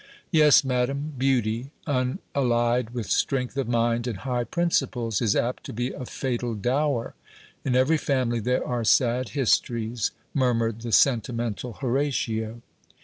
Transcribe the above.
"Yes, madam; beauty, unallied with strength of mind and high principles, is apt to be a fatal dower. In every family there are sad histories," murmured the sentimental Horatio.